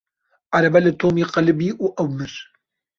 Erebe li Tomî qelibî û ew mir.